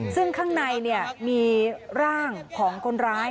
ซึ่งข้างในมีร่างของคนร้าย